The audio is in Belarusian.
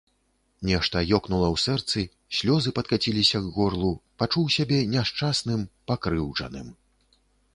Нешта ёкнула ў сэрцы, слёзы падкаціліся к горлу, пачуў сябе няшчасным, пакрыўджаным.